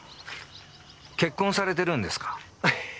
結婚されてるんですか？